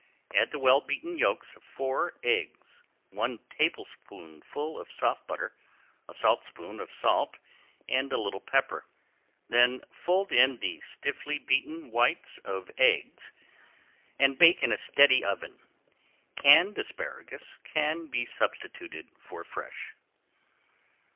Add the well beaten yolks of four eggs, one tablespoonful of soft butter, a saltspoon of salt and a little pepper. Then fold in the stiffly beaten whites of the eggs and bake in a steady oven. Canned asparagus can be substituted for fresh.